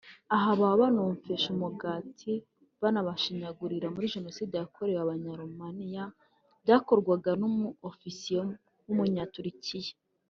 Aha baba nomfeshaga umugati banabashinyagurira muri jenoside yakorewe abanya Romaniya byakorwaga numu ofisiye wunya Turukiya